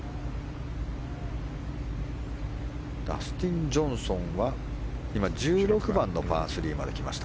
ダスティン・ジョンソンは今１６番のパー３まで来ました。